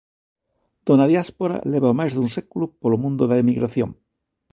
Dona Diáspora leva máis dun século polo mundo da emigración.